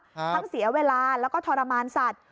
ทั้งเสียเวลาแล้วก็ทรมานสัตว์